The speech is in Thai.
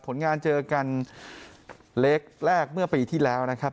ผลงานเจอกันเล็กแรกเมื่อปีที่แล้วนะครับ